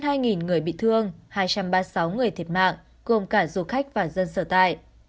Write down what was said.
hơn hai người bị thương hai trăm ba mươi sáu người thiệt mạng gồm cả du khách và dân sợ tài